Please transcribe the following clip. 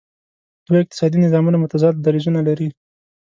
دوه اقتصادي نظامونه متضاد دریځونه لري.